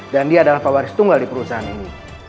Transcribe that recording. dan dia adalah pewaris tunggal di perusahaan ini